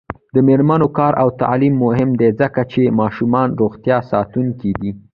د میرمنو کار او تعلیم مهم دی ځکه چې ماشومانو روغتیا ساتونکی دی.